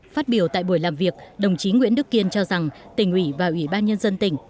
phát biểu tại buổi làm việc đồng chí nguyễn đức kiên cho rằng tỉnh ủy và ủy ban nhân dân tỉnh